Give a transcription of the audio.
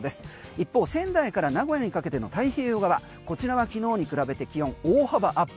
一方、仙台から名古屋にかけての太平洋側こちらは昨日に比べて気温大幅アップ。